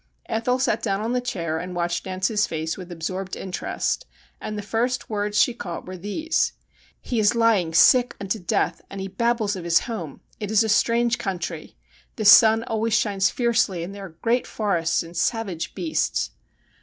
Ethel sat down on the chair and watched Nance's face with absorbed interest, and the first words she caught were these :' He is lying sick unto death, and he babbles of his home. It is a strange country. The sun always shines fiercely, and there are great forests and savage beasts.'